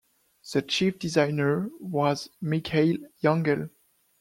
The Chief Designer was Mikhail Yangel.